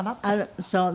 そうね。